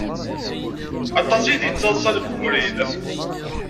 Aṭas iyi-d-yettaḍsan deg ubrid.